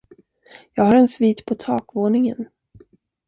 Jag har en svit på takvåningen.